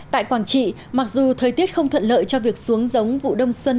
tại quảng trị mặc dù thời tiết không thuận lợi cho việc xuống giống vụ đông xuân